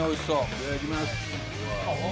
いただきます。